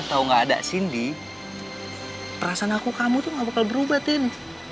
mau ada sinti atau gak ada sinti perasaan aku sama kamu tuh gak bakal berubah tint